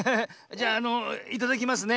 じゃあのいただきますね。